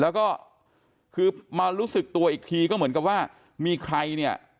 แล้วก็คือมารู้สึกตัวอีกทีก็เหมือนกับว่ามีใครเนี่ย